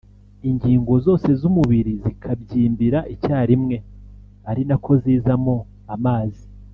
Ingingo zose z’umubiri zikabyimbira icyarimwe ari na ko zizamo amazi